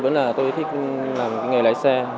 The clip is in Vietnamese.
vẫn là tôi thích làm nghề lái xe